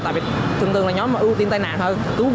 tại vì thường thường là nhóm ưu tiên tai nạn hơn